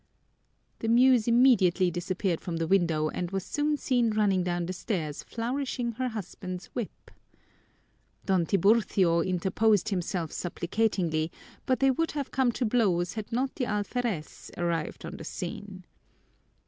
The Muse immediately disappeared from the window and was soon seen running down the stairs flourishing her husband's whip. Don Tiburcio interposed himself supplicatingly, but they would have come to blows had not the alferez arrived on the scene.